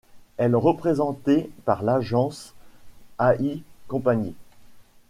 Elle représentée par l'agence Al Company.